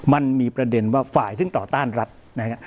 มันมีประเด็นว่าฝ่ายซึ่งต่อต้านรัฐนะฮะ